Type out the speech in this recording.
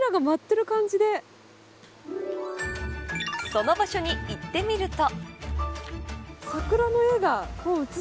その場所に行ってみると。